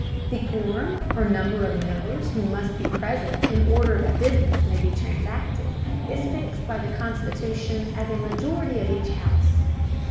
The quorum or number of members who must be present in order that business may be transacted, is fixed by the Constitution as a majority of each house.